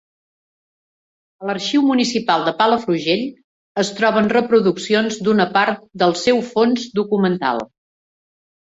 A l'Arxiu Municipal de Palafrugell es troben reproduccions d'una part del seu fons documental.